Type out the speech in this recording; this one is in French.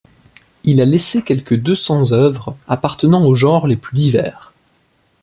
Il a laissé quelque deux cents œuvres, appartenant aux genres les plus divers.